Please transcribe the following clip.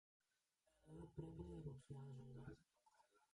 αλλά πρέπει να υποψιάζουνταν